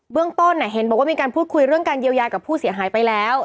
เรื่องต้นแหละเห็นบอกว่ามีป้อบคุยเรื่องกันแยยวเราอยากกับผู้เสียหายไปแล้ว